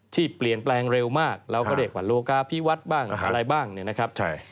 ที่เปลี่ยนแปลงเร็วมากเราก็เรียกว่าโลกาพิวัฒน์บ้างอะไรบ้างเนี่ยนะครับ